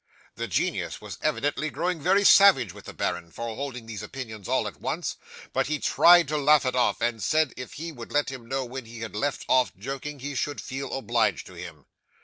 'The genius was evidently growing very savage with the baron, for holding these opinions all at once; but he tried to laugh it off, and said if he would let him know when he had left off joking he should feel obliged to him.